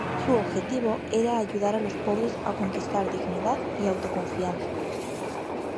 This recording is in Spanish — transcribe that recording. Su objetivo era ayudar a los pobres a conquistar dignidad y autoconfianza.